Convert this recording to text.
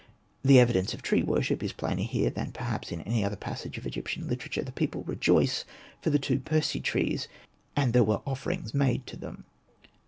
The evidence of tree worship is plainer here than perhaps in any other passage of Egyptian literature. The people rejoice for the two Persea trees, '' and there were offerings made to them."